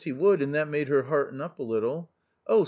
he would, and that made her hearten up a little. Oh